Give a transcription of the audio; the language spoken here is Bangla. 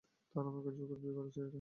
তারা আমাকে জোর করে বিয়ে করিয়েছে-- -এই!